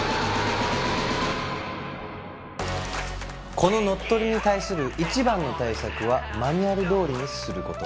こののっとりに対する１番の対策はマニュアルどおりにすること。